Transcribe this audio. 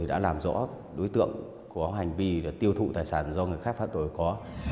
đã làm rõ đối tượng có hành vi tiêu thụ tài sản do người khác phạm tội có